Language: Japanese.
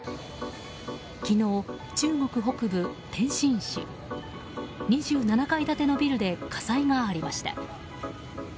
昨日、中国北部・天津市２７階建てのビルで火災がありました。